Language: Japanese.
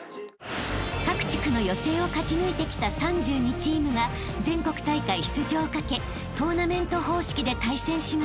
［各地区の予選を勝ち抜いてきた３２チームが全国大会出場を懸けトーナメント方式で対戦します］